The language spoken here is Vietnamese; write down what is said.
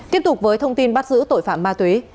tiếp tục với thông tin bắt giữ tội phạm ma túy